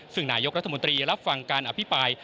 ซึ่งนายกรัฐมนตรีรับฟังการอภิปราย